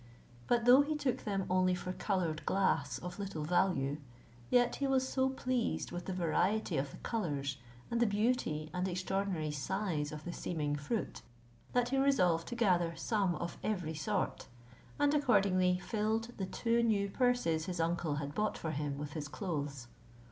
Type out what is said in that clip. But though he took them only for coloured glass of little value, yet he was so pleased with the variety of the colours, and the beauty and extraordinary size of the seeming fruit, that he resolved to gather some of every sort; and accordingly filled the two new purses his uncle had bought for him with his clothes.